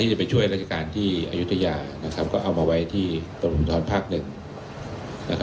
จะไปช่วยราชการที่อยุธยานะครับก็เอามาไว้ที่ตำรวจภูทรภักดิ์หนึ่ง